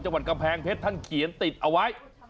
จังหวัดกำแพงเพชรท่านเขียนติดเอาไว้